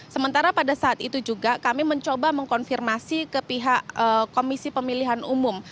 sementara pada saat itu juga kami mencoba mengkonfirmasi ke pihak komisi pemilihan umum